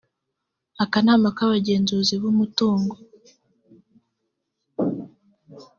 akanama k abagenzuzi b umutungo